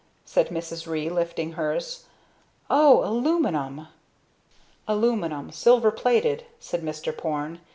said Mrs. Ree, lifting hers, "Oh, aluminum." "Aluminum, silver plated," said Mr. Porne.